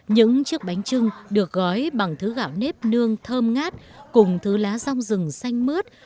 những chiếc bánh trưng được gói bằng thứ gạo nếp nương thơm ngát cùng thứ lá rong rừng xanh mướt